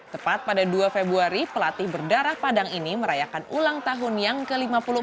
tepat pada dua februari pelatih berdarah padang ini merayakan ulang tahun yang ke lima puluh empat